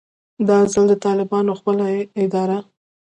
دا ځل د طالبانو خپله اداره